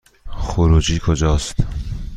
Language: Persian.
خروجی کجاست؟